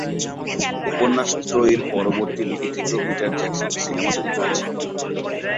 উপন্যাস ত্রয়ীর পরবর্তী দুটি থেকেও পিটার জ্যাকসন সিনেমা তৈরি করেছেন।